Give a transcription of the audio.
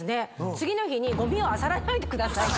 次の日に「ごみを漁らないでください」